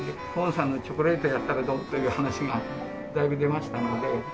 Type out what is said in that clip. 「久遠」さんのチョコレートやったらどう？という話がだいぶ出ましたので。